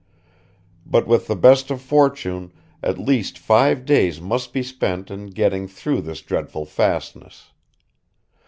But with the best of fortune, at least five days must be spent in getting through this dreadful fastness.